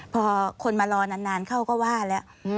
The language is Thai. พอคนมารอนานเข้าก็ว่าแล้ว